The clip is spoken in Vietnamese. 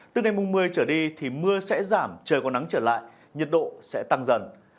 từ ngày mùng một mươi trở đi thì mưa sẽ giảm trời có nắng trở lại nhiệt độ sẽ tăng dần